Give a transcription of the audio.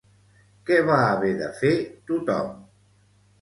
Què va haver de fer tothom?